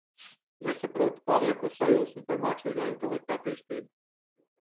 Nesaprotu, pārlieko sajūsmu par mākslīgā intelekta attīstību.